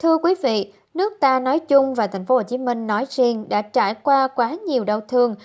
thưa quý vị nước ta nói chung và tp hcm nói riêng đã trải qua quá nhiều đau thương